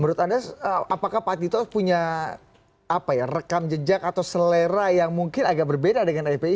menurut anda apakah pak tito punya rekam jejak atau selera yang mungkin agak berbeda dengan fpi